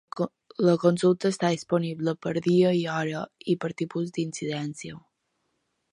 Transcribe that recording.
La consulta està disponible per dia i hora i per tipus d'incidència.